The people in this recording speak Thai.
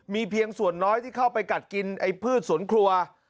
มีเพียงส่วนน้อยที่เข้าไปกัดกินไอ้พืชสวนครัว